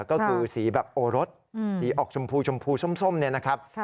ก็คือสีแบบโอรสสีออกชมพูชมพูส้มเนี่ยนะครับ